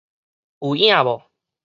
有影無